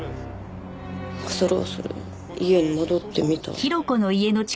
恐る恐る家に戻ってみたら。